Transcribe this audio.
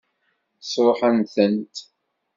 Sṛuḥen-tent?